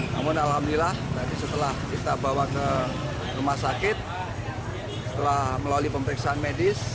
namun alhamdulillah nanti setelah kita bawa ke rumah sakit setelah melalui pemeriksaan medis